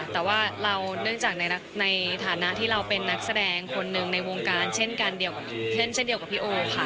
แต่ว่าเราเนื่องจากในฐานะที่เราเป็นนักแสดงคนหนึ่งในวงการเช่นกันเช่นเดียวกับพี่โอค่ะ